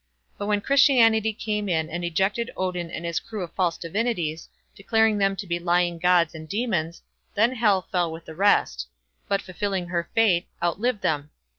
But when Christianity came in and ejected Odin and his crew of false divinities, declaring them to be lying gods and demons, then Hel fell with the rest; but fulfilling her fate, outlived them.